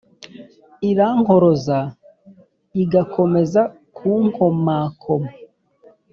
Irankoroza igakomeza kunkomakoma